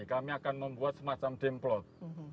kami akan membuat semacam demplot